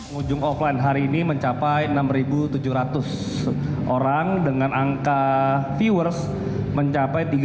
pemain offline hari ini mencapai enam tujuh ratus orang dengan angka viewers mencapai